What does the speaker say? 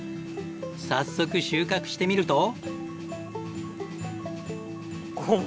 早速収穫してみると。